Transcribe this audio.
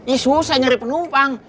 ih susah nyari penumpang